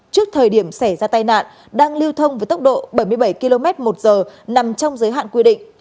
trước thời điểm xảy ra tai nạn đang lưu thông với tốc độ bảy mươi bảy kmh nằm trong giới hạn quy định